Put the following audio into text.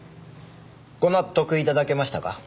ご納得いただけましたか？